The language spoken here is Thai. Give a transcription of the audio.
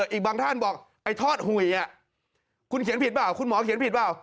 อีกบางท่านบอกไอ้ทอดหุยคุณเขียนผิดเปล่าคุณหมอเขียนผิดเปล่า